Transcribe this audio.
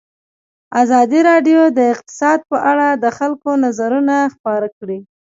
ازادي راډیو د اقتصاد په اړه د خلکو نظرونه خپاره کړي.